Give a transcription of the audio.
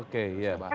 jadi ini sudah masalah